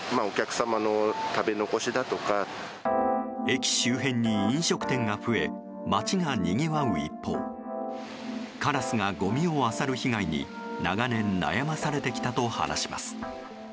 駅周辺に飲食店が増え街がにぎわう一方カラスがごみをあさる被害に長年悩まされてきたと話します。